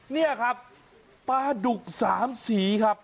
นี่ครับปลาดุก๓สีครับ